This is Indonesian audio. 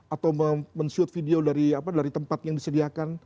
atau men shoot video dari tempat yang disediakan